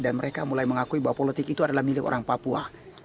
dan mereka mulai mengakui bahwa politik itu adalah milik orang papua